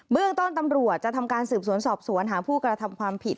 เรื่องต้นตำรวจจะทำการสืบสวนสอบสวนหาผู้กระทำความผิด